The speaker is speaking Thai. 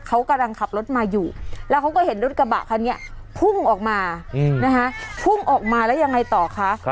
เขากำลังขับรถมาอยู่แล้วเขาก็เห็นรถกระบะคันนี้พุ่งออกมานะคะพุ่งออกมาแล้วยังไงต่อคะ